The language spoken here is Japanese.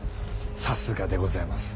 さすがでございます。